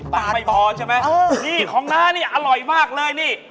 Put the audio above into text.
ไม่พอใช่ไหมนี่ของน้านี่อร่อยมากเลยนี่